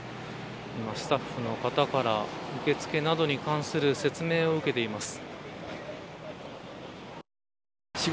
今スタッフの方から受け付けなどに関する説明を受けています。